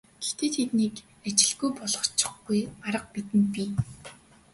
Гэхдээ тэднийг ажилгүй болгочихгүй арга бидэнд бий.